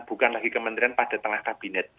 bukan lagi kementerian pada tengah kabinet